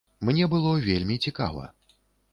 Мне было вельмі цікава.